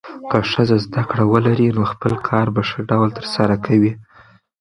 که ښځه زده کړه ولري، نو خپل کار په ښه ډول ترسره کوي.